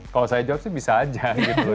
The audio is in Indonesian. kalau saya jawab sih bisa aja gitu